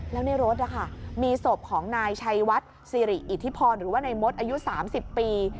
แล้วในรถนะคะมีศพของนายชัยวัดสิริอิทธิพรหรือว่านายมดอายุ๓๐ปี